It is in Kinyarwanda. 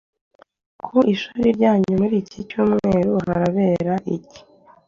ku ishuri ryanyu muri iki cyumweru harabera iki?